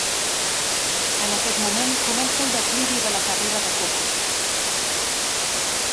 En aquest moment comença el declivi de la carrera de Coco.